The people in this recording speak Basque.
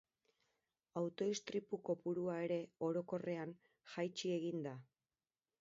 Auto-istripu kopurua ere, orokorrean, jaitsi egin da.